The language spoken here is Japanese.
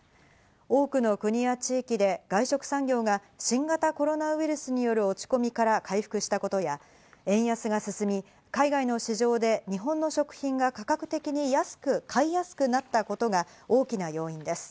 多くの国や地域で外食産業が新型コロナウイルスによる落ち込みから回復したことや、円安が進み、海外の市場で日本の食品が価格的に買いやすくなったことなどが、大きな要因です。